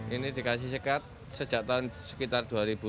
ini dikasih sekat sejak tahun sekitar dua ribu sepuluh